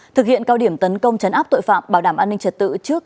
thực hiện cao điểm tấn công chấn áp tội phạm bảo đảm an ninh trật tự trước